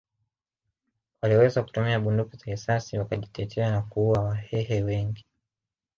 Walioweza kutumia bunduki za risasi wakajitetea na kuua Wahehe wengi